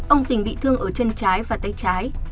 ông tình bị thương ở chân trái và tay trái